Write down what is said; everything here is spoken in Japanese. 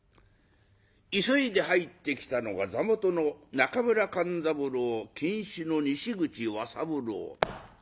急いで入ってきたのが座元の中村勘三郎金主の西口和三郎。